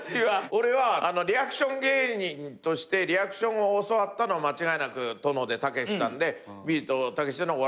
俺はリアクション芸人としてリアクションを教わったのは間違いなくたけしさんで『ビートたけしのお笑いウルトラクイズ！！』